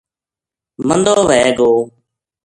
مندو وھے گو ؟